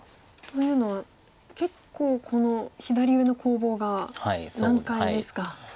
というのは結構この左上の攻防が難解ですか。